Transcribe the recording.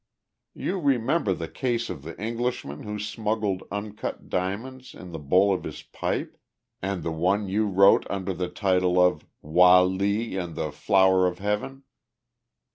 You remember the case of the Englishman who smuggled uncut diamonds in the bowl of his pipe and the one you wrote under the title of "Wah Lee and the Flower of Heaven"?